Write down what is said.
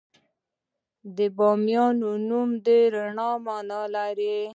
د بامیان نوم د رڼا مانا لري